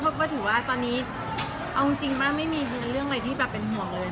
เพราะก็ถือว่าตอนนี้เอาจริงป่ะไม่มีเรื่องอะไรที่แบบเป็นห่วงเลย